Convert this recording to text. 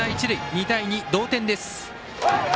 ２対２、同点です。